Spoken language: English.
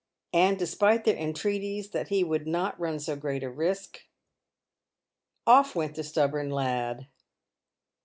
And, despite their entreaties that he would not run so great a risk, off went the stubborn lad.